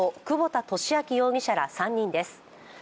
久保田俊明容疑者ら３人です。